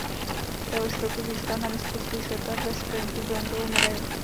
Téhož roku získal na Mistrovství světa ve sprintu bronzovou medaili.